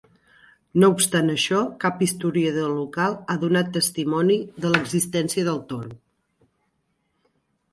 No obstant això, cap historiador local ha donat testimoni de l'existència del Toro.